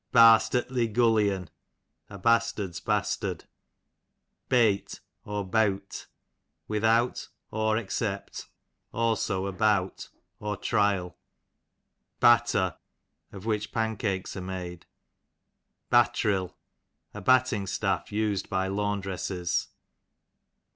Bastertly gullion, a bastard's bas tard. Bate, \ without, or except, also Beawt,]" about, or trial. Batter, of which pancakes are made. Battril, a batting staff us'd by laundresses.